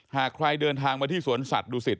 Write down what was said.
หากใครเดินทางมาที่สวนสัตวศิษฐ